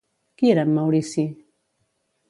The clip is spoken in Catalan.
Qui era en Maurici?